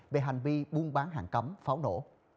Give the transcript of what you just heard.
về hành vi buôn bán hàng cấm pháo nổ